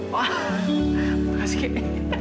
wah makasih keh